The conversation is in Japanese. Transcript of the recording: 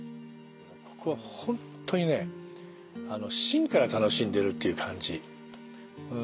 ここはホントにねしんから楽しんでるっていう感じ。